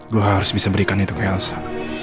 gue harus bisa berikan itu ke elsa